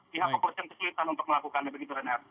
pihak kepolisian kesulitan untuk melakukan begitu reinhardt